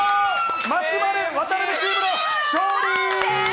松丸・渡邊チームの勝利！